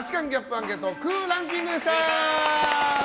アンケート空欄キングでした。